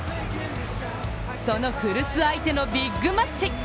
その古巣相手のビッグマッチ。